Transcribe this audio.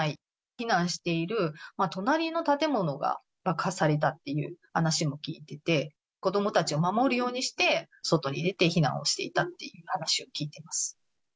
避難している隣の建物が爆破されたという話も聞いてて、子どもたちを守るようにして、外に出て避難をしていたという話を聞いています。